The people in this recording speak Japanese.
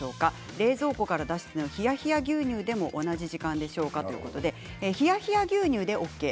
冷蔵庫から出したヒヤヒヤ牛乳でも同じ時間でしょうか、ということでヒヤヒヤ牛乳でＯＫ。